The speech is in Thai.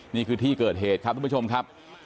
นี่คือที่เกิดเหตุครับทุกผู้ชมครับ